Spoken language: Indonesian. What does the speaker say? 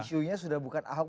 isunya sudah bukan ahok